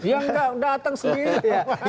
ya enggak datang sendiri